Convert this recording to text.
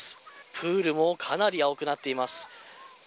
プールもかなり青くなっています。